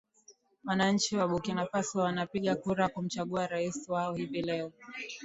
a wananchi wa burkina faso wanapiga kura kumchagua rais wao hivi leo